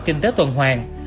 kinh tế tuần hoàng